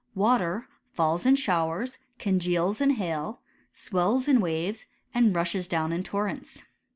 ' "Water falls in showers, congeals in hail, swells in waves, and rushes down in torrents."